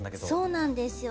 そうなんですよ。